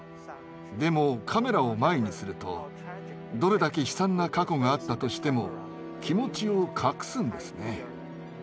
でもカメラを前にするとどれだけ悲惨な過去があったとしても気持ちを隠すんですね。